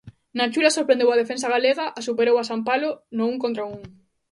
Nachula sorprendeu a defensa galega a superou a Sampalo no un contra un.